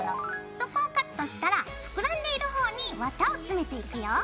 そこをカットしたら膨らんでいる方に綿をつめていくよ。